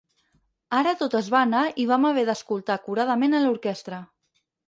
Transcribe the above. Ara tot es va anar i vam haver d'escoltar acuradament a l'orquestra.